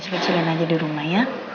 bikin acara kecil kecilan aja di rumah ya